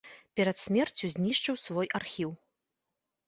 Перад смерцю знішчыў свой архіў.